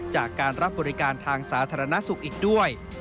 จากการรับบริการทางสาธารณสุขอีกด้วย